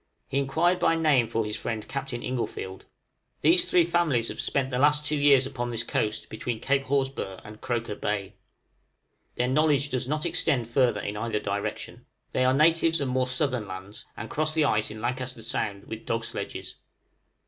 He inquired by name for his friend Captain Inglefield. These three families have spent the last two years upon this coast, between Cape Horsburgh and Croker Bay. Their knowledge does not extend further in either direction. They are natives of more southern lands, and crossed the ice in Lancaster Sound with dog sledges.